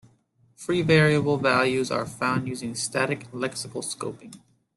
Free variable values are found using static lexical scoping.